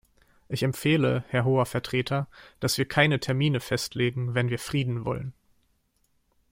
Ich empfehle, Herr Hoher Vertreter, dass wir keine Termine festlegen, wenn wir Frieden wollen.